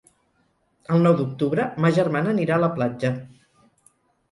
El nou d'octubre ma germana anirà a la platja.